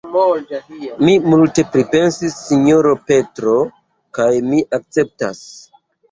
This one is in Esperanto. Mi multe pripensis, sinjoro Petro; kaj mi akceptas.